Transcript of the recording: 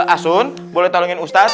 asun boleh tolongin ustadz